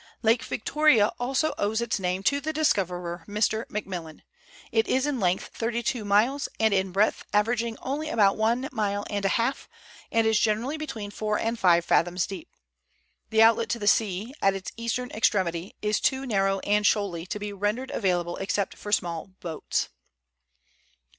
Lake Victoria also owes its name to the discoverer, Mr. McMillan. It is in length thirty two miles, and in breadth averaging only about one mile and a half, and is generally between four and five fathoms deep. The outlet to the sea, at its eastern extremity, is too narrow and shoaly to be rendered available except for small boats.